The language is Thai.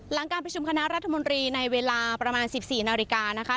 หลังการประชุมคณะรัฐมนตรีในเวลาประมาณ๑๔นาฬิกานะคะ